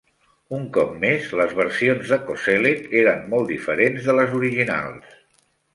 Un cop més, les versions de Kozelek eren molt diferents de les originals.